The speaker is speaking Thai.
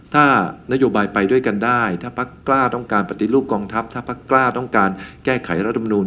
ถ้านโยบายไปด้วยกันได้ถ้าพักกล้าต้องการปฏิรูปกองทัพถ้าพักกล้าต้องการแก้ไขรัฐมนูล